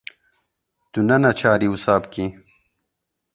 Tu ne neçarî wisa bikî.